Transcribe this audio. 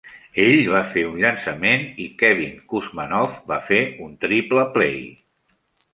Ell va fer un llançament i Kevin Kouzmanoff va fer un "triple play".